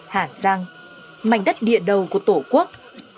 hà giang mảnh đất địa đầu của tổ quốc